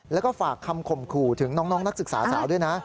แล้วก็ฝากคำข่มขู่ถึงน้องนักศึกษาสาวด้วยนะ